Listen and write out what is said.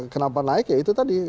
kenapa naik ya itu tadi